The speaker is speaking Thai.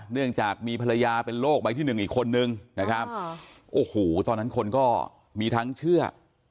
เนื่องจากมีภรรยาเป็นโรคใบที่หนึ่งอีกคนนึงนะครับโอ้โหตอนนั้นคนก็มีทั้งเชื่อ